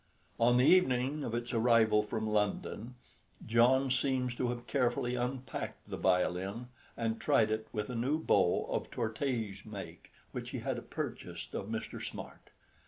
On the evening of its arrival from London, John seems to have carefully unpacked the violin and tried it with a new bow of Tourte's make which he had purchased of Mr. Smart.